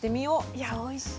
いやおいしい。